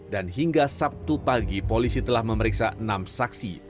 dan hingga sabtu pagi polisi telah memeriksa enam saksi